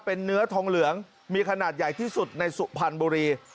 เป็นเนื้อทองเหลืองมีขนาดใหญ่ที่สุดในสุพรรณบุรี